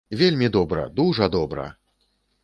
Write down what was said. Вельмі добра, дужа добра!